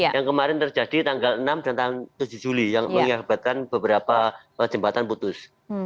yang kemarin terjadi tanggal enam dan tanggal tujuh juli yang mengakibatkan beberapa jembatan putus